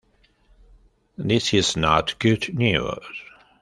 This is not good news.